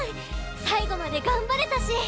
最後まで頑張れたし！